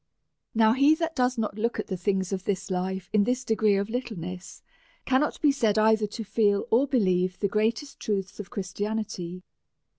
Now, he that does not look at the things of this life in this degree of littleness, cannot be said either to feel or believe the greatest truths of Christianity.